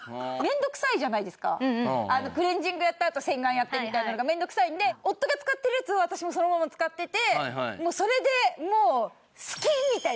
クレンジングやったあと洗顔やってみたいなのが面倒くさいんで夫が使ってるやつを私もそのまま使っててそれでもうスキン！みたいな。